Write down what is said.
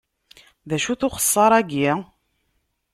D acu-t uxeṣṣar-agi?